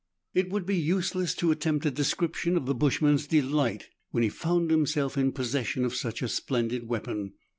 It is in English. It would be useless to attempt a description of the bushman's delight when he found himself in possession of such a splendid weapon.